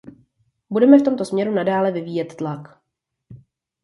Budeme v tomto směru nadále vyvíjet tlak.